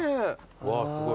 うわすごい。